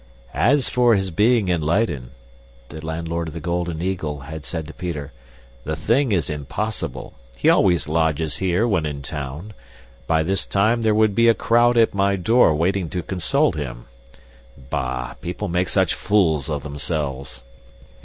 "As for his being in Leyden," the landlord of the Golden Eagle had said to Peter, "the thing is impossible. He always lodges here when in town. By this time there would be a crowd at my door waiting to consult him. Bah! People make such fools of themselves!"